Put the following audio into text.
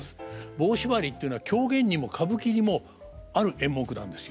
「棒しばり」っていうのは狂言にも歌舞伎にもある演目なんですよ。